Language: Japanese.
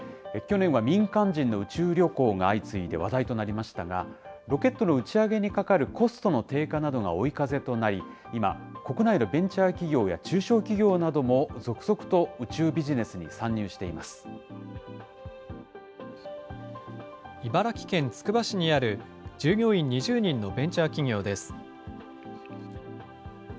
去年は民間人の宇宙旅行が相次いで話題となりましたが、ロケットの打ち上げにかかるコストの低下などが追い風となり、今、国内のベンチャー企業や中小企業なども続々と宇宙ビジネスに参入茨城県つくば市にある従業員２０人のベンチャー企業です。